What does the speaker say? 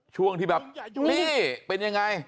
ช่วงที่แบบนี่เป็นยังไง